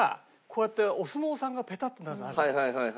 こうやってお相撲さんがペタってなるのあるじゃない？